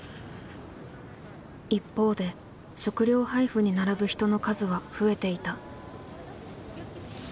一方で食料配布に並ぶ人の数は増えていた。